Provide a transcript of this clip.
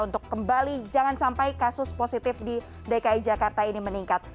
untuk kembali jangan sampai kasus positif di dki jakarta ini meningkat